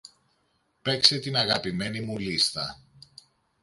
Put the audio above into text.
Παίξε την αγαπημένη μου λίστα.